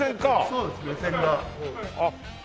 そうです目線が。あっ。